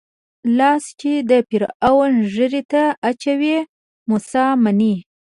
لاس چې د فرعون ږيرې ته اچوي موسی منم.